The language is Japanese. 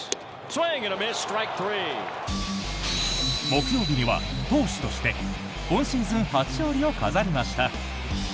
木曜日には投手として今シーズン初勝利を飾りました！